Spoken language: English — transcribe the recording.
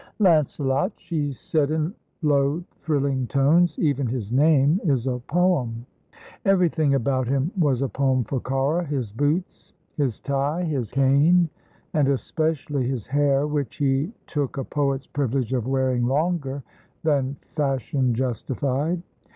"Lancelot!" she said in low, thrilling tones. "Even his name is a poem." Everything about him was a poem for Cara. His boots, his tie, his cane, and especially his hair, which he took a poet's privilege of wearing longer than fashion justified.